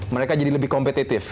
mereka jadi lebih kompetitif